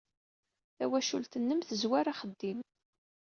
Tawacult-nnem tezwar axeddim.